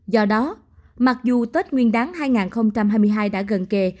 do đó mặc dù tết nguyên đáng hai nghìn hai mươi hai đã gần kề